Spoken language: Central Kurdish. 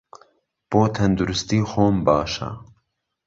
بۆ تهندروستی خۆم باشه.